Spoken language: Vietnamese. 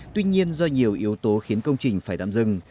tuy nhiên do nhiều yếu tố khiến công trình phải tạm dừng